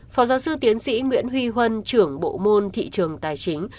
phó giáo sư tiến sĩ nguyễn huy huân trưởng bộ môn thị trường tài chính